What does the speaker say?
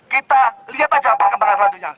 kita lihat aja apa kemarahan selanjutnya